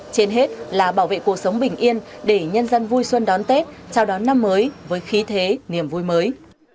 trên hết là bảo vệ cuộc sống bình yên để nhân dân vui xuân đón tết chào đón năm mới với khí thế niềm vui mới